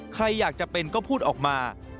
ใครอยากจะเป็นก็พูดออกมา